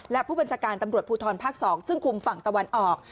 และผู้บัญชาการตำรวจภูทรภาค๒ซึ่งคุมฝั่งตะวันออก